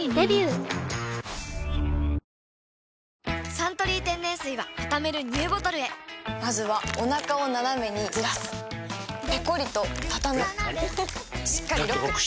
「サントリー天然水」はたためるＮＥＷボトルへまずはおなかをナナメにずらすペコリ！とたたむしっかりロック！